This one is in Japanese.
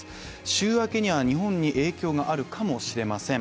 週明けには日本に影響があるかもしれません。